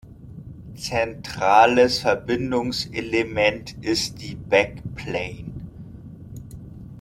Zentrales Verbindungselement ist die Backplane.